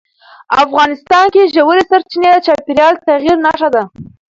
افغانستان کې ژورې سرچینې د چاپېریال د تغیر نښه ده.